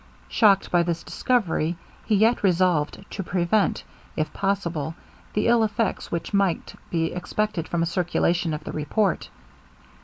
Shocked by this discovery, he yet resolved to prevent, if possible, the ill effects which might be expected from a circulation of the report.